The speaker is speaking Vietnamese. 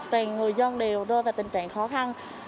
tuyền người dân đều đôi vào tình trạng khó khăn